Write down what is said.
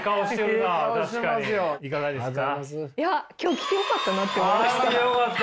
今日来てよかったなって思いました。